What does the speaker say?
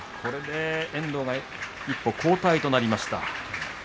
遠藤が一歩後退となりました。